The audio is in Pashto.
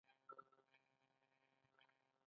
خپل فکر څنګه ښکلی کړو؟